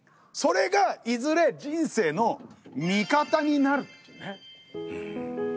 それがいずれ人生の味方になるっていうね。